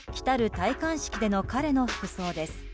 戴冠式での彼の服装です。